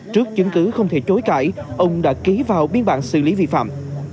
trước chứng cứ không thể chối cãi ông đã ký vào biên bản xử lý vi phạm